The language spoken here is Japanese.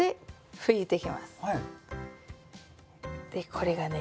これがね